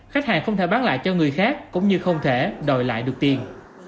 khách hàng không thể bán lại cho người khác cũng như không thể đòi lại được tiền